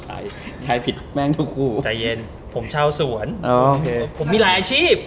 ใครผิดแม่งทุกคู่ใจเย็นผมเช่าสวนโอเคผมมีหลายอาชีพ